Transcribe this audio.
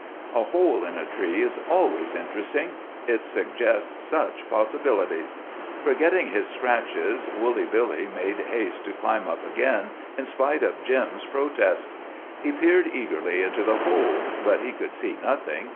A hole in a tree is always interesting. It suggests such possibilities. Forgetting his scratches, Woolly Billy made haste to climb up again, in spite of Jim's protests. He peered eagerly into the hole. But he could see nothing.